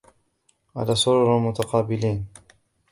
على سرر متقابلين